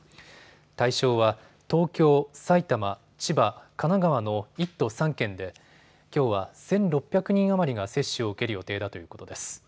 対象は東京、埼玉、千葉、神奈川の１都３県できょうは１６００人余りが接種を受ける予定だということです。